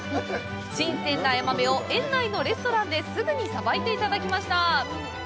新鮮なヤマメを園内のレストランですぐにさばいていただきました。